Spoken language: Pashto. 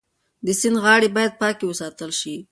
د سیند غاړې باید پاکې وساتل شي.